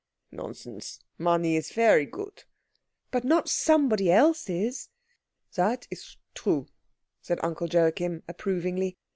"Nonsense. Money is very good." "But not somebody else's." "That is true," said Uncle Joachim approvingly.